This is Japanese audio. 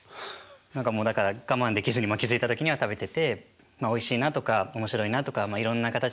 何かもうだから我慢できずに気付いた時には食べてておいしいなとか面白いなとかいろんな形で魅力に魅了されてって。